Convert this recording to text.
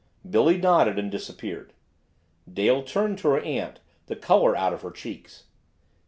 Billy nodded and disappeared. Dale turned to her aunt, the color out of her cheeks.